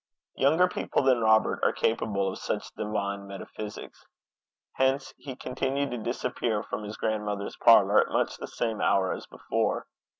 Younger people than Robert are capable of such divine metaphysics. Hence he continued to disappear from his grandmother's parlour at much the same hour as before.